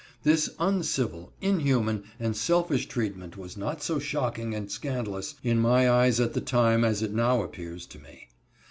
This uncivil, inhuman, and selfish treatment was not so shocking and scandalous in my eyes at the time as it now appears to me.